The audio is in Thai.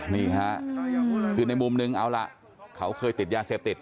นี่ฮะคือในมุมนึงเอาล่ะเขาเคยติดยาเสพติด